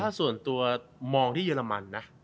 ถ้าส่วนตัวมองที่เยอรมันนะ